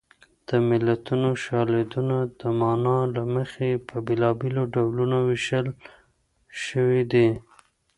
د متلونو شالیدونه د مانا له مخې په بېلابېلو ډولونو ویشل شوي دي